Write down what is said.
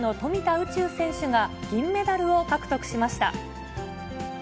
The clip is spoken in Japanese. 宇宙選手が、銀メダルを獲得しました。